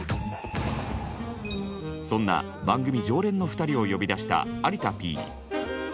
そんな番組常連の２人を呼び出した有田Ｐ。